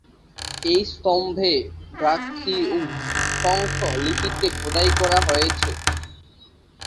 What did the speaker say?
এই স্তম্ভে ব্রাহ্মী ও শঙ্খ লিপিতে খোদাই করা রয়েছে।